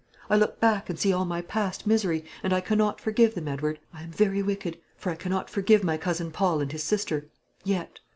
I look back and see all my past misery, and I cannot forgive them, Edward; I am very wicked, for I cannot forgive my cousin Paul and his sister yet.